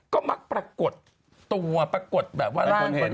ก็มักปรากฏตัวปรากฏแบบว่า